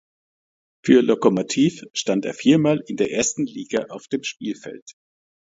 Für Lokomotiv stand er viermal in der ersten Liga auf dem Spielfeld.